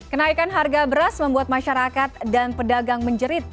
kenaikan harga beras membuat masyarakat dan pedagang menjerit